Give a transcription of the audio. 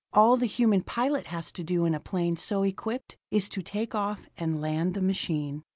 All the human pilot has to do in a plane so equipped is to take off and land the machine.